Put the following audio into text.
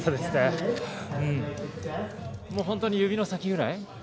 本当に指の先ぐらい？